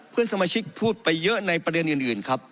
เพื่อนสมาชิกพูดไปเยอะในประเด็นอื่นครับ